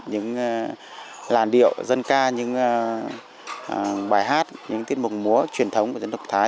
những làn điệu dân ca những bài hát những tiết mục múa truyền thống của dân tộc thái